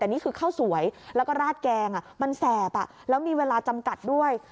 แต่นี่คือข้าวสวยแล้วก็ราดแกงมันแสบแล้วมีเวลาจำกัดด้วย